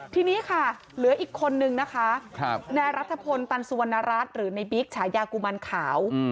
ทีนี้ค่ะเหลืออีกคนนึงนะคะนายรัฐพลตันสุวรรณรัฐหรือในบิ๊กฉายากุมันขาว